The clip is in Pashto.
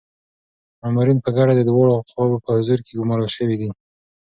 مامورین په ګډه د دواړو خواوو په حضور کي ګمارل شوي دي.